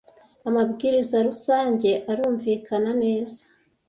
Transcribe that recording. amabwiriza rusange arumvikana neza